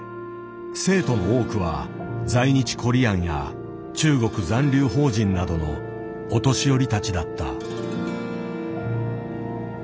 生徒の多くは在日コリアンや中国残留邦人などのお年寄りたちだった。